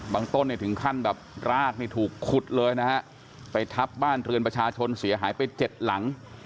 บางต้นได้ถึงขั้นแบบรากไม่ถูกขุดเลยนะไปทับบ้านเทือนประชาชนเสียหายไป๗หลัง